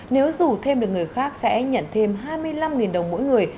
nếu rủ thêm được người khác sẽ nhận thêm hai mươi năm đồng mỗi người